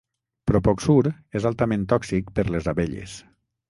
Propoxur és altament tòxic per les abelles.